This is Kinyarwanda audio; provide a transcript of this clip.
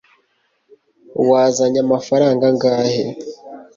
wazanye amafaranga angahe